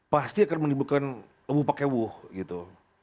pasti akan menimbulkan wuh pakai wuh gitu